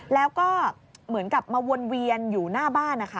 แล้วก็เหมือนกับมาวนเวียนอยู่หน้าบ้านนะคะ